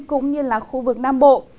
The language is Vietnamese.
cũng như là khu vực nam bộ